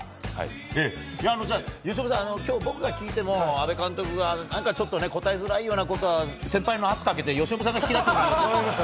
じゃあ、由伸さん、きょう、僕が聞いても、阿部監督がなんかちょっとね、答えづらいようなことは、先輩の圧をかけて、由伸さんが引き出してもらえます？